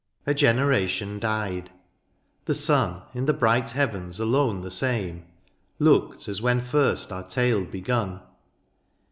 A generation died — ^the sun. In the bright heavens alone the same. Looked as when first our tale begun.